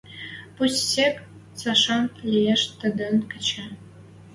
Пусть сек цӓшӓн лиэш тӹдӹн кечӹ